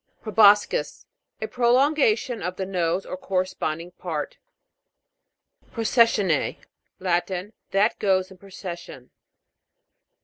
PROBOS'CIS. A prolongation of the nose or corresponding part. PROCESSIONNE'A. Latin. That goes in procession.